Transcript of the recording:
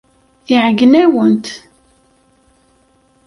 Iɛeyyen-awent.